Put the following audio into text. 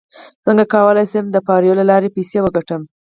څنګه کولی شم د فایور له لارې پیسې وګټم